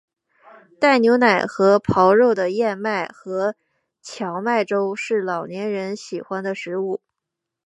带牛奶和狍肉的燕麦和荞麦粥是老年人喜欢的食物。